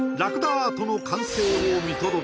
アートの完成を見届ける